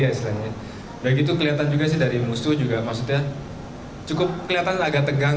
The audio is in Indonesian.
dan itu kelihatan juga dari musuh juga cukup kelihatan agak tegang